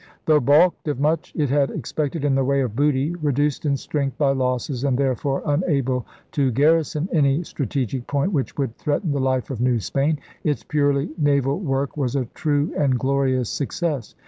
Though balked of much it had expected in the way of booty, reduced in strength by losses, and therefore unable to garrison any strategic point which would threaten the life of New Spain, its purely naval work was a true and glorious success.